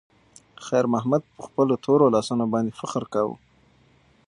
خیر محمد په خپلو تورو لاسونو باندې فخر کاوه.